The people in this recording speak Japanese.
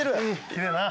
きれいやな。